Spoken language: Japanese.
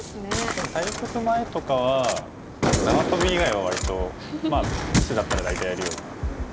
でも対局前とかは縄跳び以外は割と棋士だったら大体やるような。